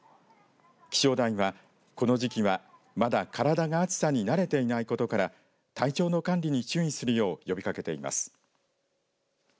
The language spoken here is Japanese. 気象台はこの時期はまだ体が暑さに慣れていないことから体調の管理に注意するよう呼びかけています。